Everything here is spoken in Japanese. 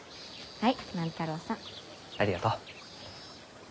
はい。